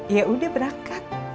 ya udah berangkat